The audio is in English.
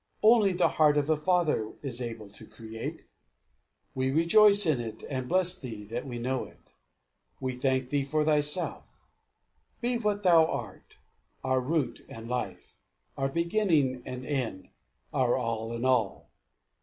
Only the heart of a father is able to create. We rejoice in it, and bless thee that we know it. We thank thee for thyself. Be what thou art our root and life, our beginning and end, our all in all.